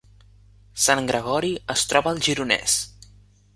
Sant Gregori es troba al Gironès